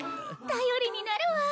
頼りになるわ。